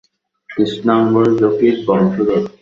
কৃষ্ণাঙ্গ জকির বংশধর।